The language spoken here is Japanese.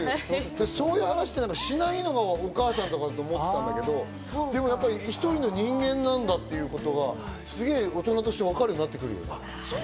そういう話ってしないのがお母さんだと思ってたんだけど、１人の人間なんだっていうことはすげぇ大人としてわかるようになってくる。